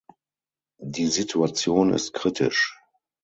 Die Situation ist kritisch.